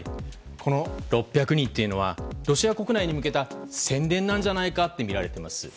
この６００人というのはロシア国内に向けた宣伝なんじゃないかとみられています。